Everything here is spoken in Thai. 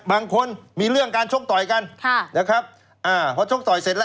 บางคนมีเรื่องการชกต่อยกันค่ะนะครับอ่าพอชกต่อยเสร็จแล้ว